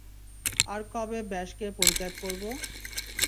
আর কবে ব্যাশকে পরিত্যাগ করব?